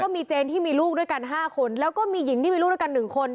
แล้วก็มีเจนที่มีลูกด้วยกันห้าคนแล้วก็มีหญิงที่มีลูกด้วยกันหนึ่งคน